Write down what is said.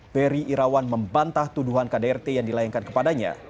ferry irawan membantah tuduhan kdrt yang dilayangkan kepadanya